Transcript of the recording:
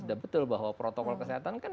sudah betul bahwa protokol kesehatan kan